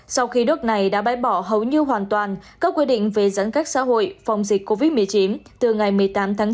sau khi nước này đã bãi bỏ hầu như hoàn toàn các quy định về giãn cách xã hội phòng dịch covid một mươi chín từ ngày một mươi tám tháng bốn